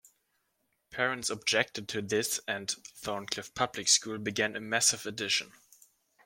Parents objected to this and Thorncliffe Public School began a massive addition.